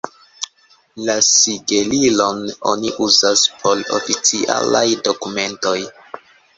La sigelilon oni uzas por oficialaj dokumentoj.